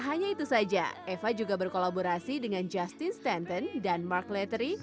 hanya itu saja eva juga berkolaborasi dengan justin stenton dan mark lettery